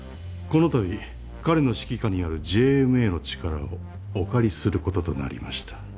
この度彼の指揮下にあるＪＭＡの力をお借りすることとなりました。